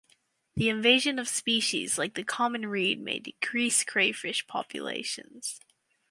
The invasion of species like the common reed may decrease crayfish populations.